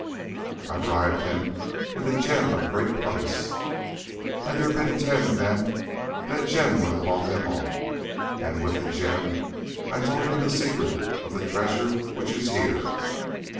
"I bribed him with a gem of great price—had there been ten of them, that gem would have bought them all—and with the gem I told him the secret of the treasure which is here.